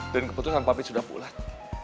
dan keputusan papi sudah pulat